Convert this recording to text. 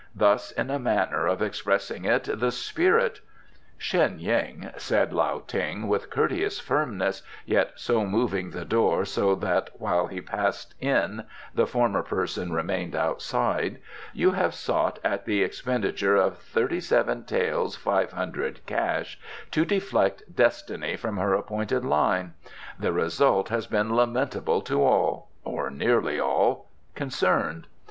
... Thus in a manner of expressing it, the spirit " "Sheng yin," said Lao Ting, with courteous firmness, yet so moving the door so that while he passed in the former person remained outside, "you have sought, at the expenditure of thirty seven taels five hundred cash, to deflect Destiny from her appointed line. The result has been lamentable to all or nearly all concerned.